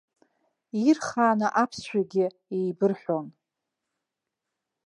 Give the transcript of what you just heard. Ирхааны аԥсшәагьы еибырҳәон.